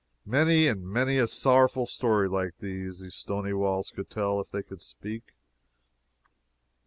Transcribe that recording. Many and many a sorrowful story like this these stony walls could tell if they could but speak.